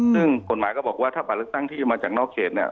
ซึ่งกฎหมายก็บอกว่าถ้าบัตรเลือกตั้งที่จะมาจากนอกเขตเนี่ย